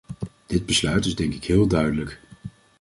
Dit besluit is denk ik heel duidelijk.